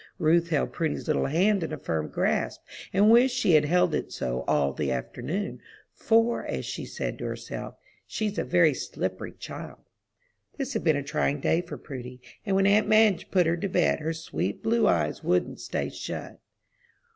Ruth held Prudy's little hand in a firm grasp, and wished she had held it so all the afternoon; "for," as she said, to herself, "she's a very slippery child." This had been a trying day for Prudy, and when aunt Madge put her to bed, her sweet blue eyes wouldn't stay shut.